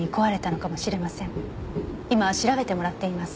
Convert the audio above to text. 今調べてもらっています。